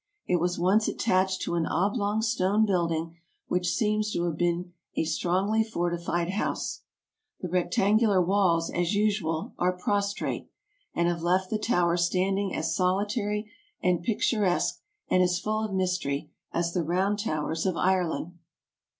It was once attached to an oblong stone building which seems to have been a strongly fortified AMERICA 59 house. The rectangular walls, as usual, are prostrate, and have left the tower standing as solitary and picturesque and as full of mystery as the round towers of Ireland.